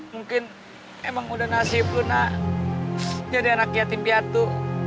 mungkin emang udah nasib lunak jadi anak yatim piatu